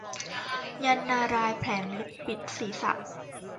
ยันต์นารายณ์แผลงฤทธิ์ปิดศรีษะ